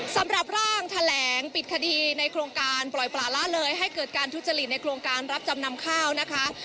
สำหรับร่างแถลงปิดคดีในโครงการปล่อยปลาละเลยให้เกิดการทุจริตในโครงการรับจำนำข้าวนะคะ